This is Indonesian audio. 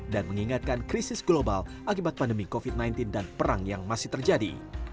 dan mengingatkan krisis global akibat pandemi covid sembilan belas dan perang yang masih terjadi